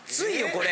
これ！